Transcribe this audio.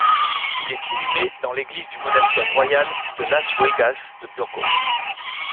Il est inhumé dans l'église du monastère royal de las Huelgas de Burgos.